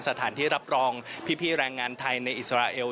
สถานที่รับรองพี่แรงงานไทยในอิสราเอล